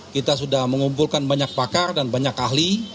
kita sudah mengumpulkan banyak pakar dan banyak ahli